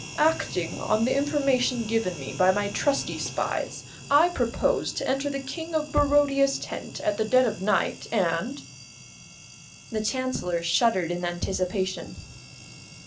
Acting on the information given me by my trusty spies, I propose to enter the King of Barodia's tent at the dead of night, and " The Chancellor shuddered in anticipation.